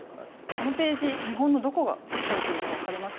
このページ日本のどこが書かれているか分かりますか？